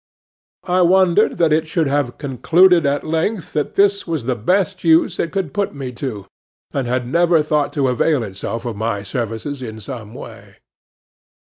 I wondered that it should have concluded at length that this was the best use it could put me to, and had never thought to avail itself of my services in some way.